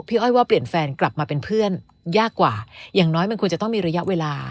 อ้อยว่าเปลี่ยนแฟนกลับมาเป็นเพื่อนยากกว่าอย่างน้อยมันควรจะต้องมีระยะเวลา